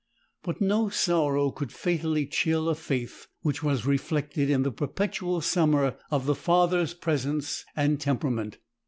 But no sorrow could fatally chill a faith which was reflected in the perpetual summer of the father's presence and temperament.